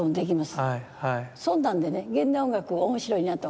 そんなんでね現代音楽面白いなと。